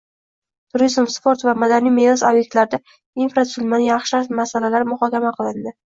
Turizm, sport va madaniy meros ob’ektlarida infratuzilmani yaxshilash masalalari muhokama qilinding